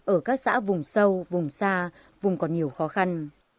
ở các xã vùng sâu vùng xa vùng còn nhiều khó khăn